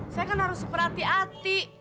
saya kan harus super hati hati